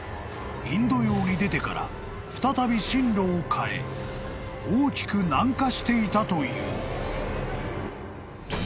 ［インド洋に出てから再び針路を変え大きく南下していたという］